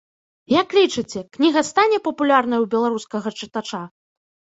Як лічыце, кніга стане папулярнай у беларускага чытача?